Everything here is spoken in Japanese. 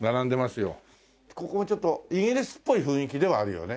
ここはちょっとイギリスっぽい雰囲気ではあるよね。